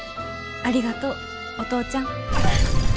ありがとうお父ちゃん。